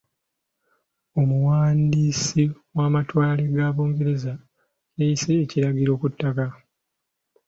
Omuwandiisi w’amatwale ga Bungereza yayisa ekiragiro ku ttaka.